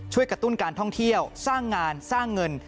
กระตุ้นการท่องเที่ยวสร้างงานสร้างเงิน